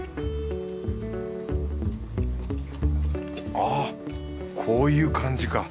あこういう感じか。